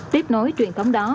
tiếp nối truyền thống đó